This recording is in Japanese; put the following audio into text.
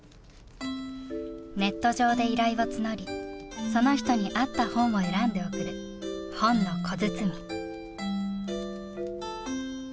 ネット上で依頼を募りその人に合った本を選んで送る「ほんのこづつみ」。